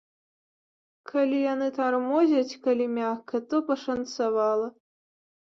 Калі яны тармозяць, калі мякка, то пашанцавала.